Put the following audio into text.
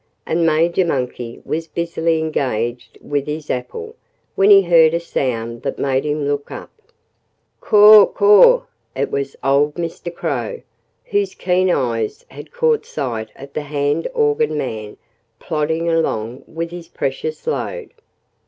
And Major Monkey was busily engaged with his apple, when he heard a sound that made him look up. "Caw! Caw!" It was old Mr. Crow, whose keen eyes had caught sight of the hand organ man plodding along with his precious load.